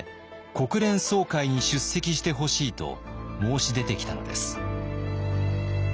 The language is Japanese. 国連総会に出席してほしいと申し出てきたのです。